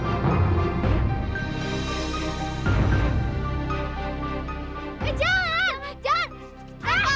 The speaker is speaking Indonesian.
ayo teman keluar ke dia